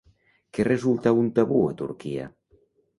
Què resulta un tabú a Turquia?